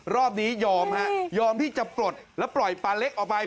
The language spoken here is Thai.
รอบนี้ยอมฮะยอมที่จะปลดแล้วปล่อยปลาเล็กออกไป